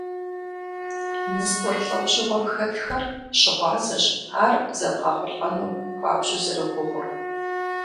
Мы спорт лӏэужьыгъуэм хэтхэр щыгъуазэщ ар зэбгъэхъулӏэну хуабжьу зэрыгугъур.